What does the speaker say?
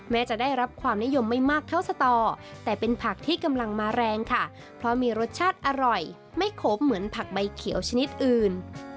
จะได้รับความนิยมไม่มากเท่าสตอแต่เป็นผักที่กำลังมาแรงค่ะเพราะมีรสชาติอร่อยไม่โขมเหมือนผักใบเขียวชนิดอื่น